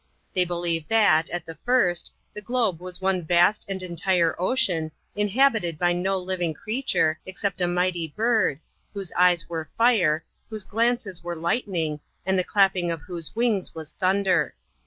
They believe that, at the first, the globe was one vast and entire ocean, inhabited by no living creature, except a mighty bird, whose eyes were fire, whose glances were lightning, and the clapping of whose wings was thunder.